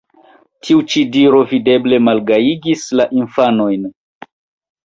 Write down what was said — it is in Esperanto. Tiu ĉi diro videble malgajigis la infanojn.